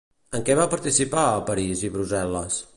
En què va participar a París i Brussel·les?